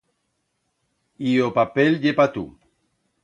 Y o papel ye pa tu.